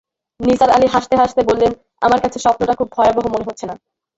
নিসার আলি হাসতে-হাসতে বললেন, আমার কাছে স্বপ্নটা খুব ভয়াবহ মনে হচ্ছে না।